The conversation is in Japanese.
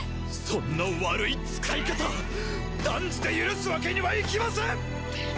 そんな悪い使い方断じて許すわけにはいきません！